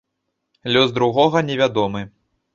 Лёс другога не вядомы.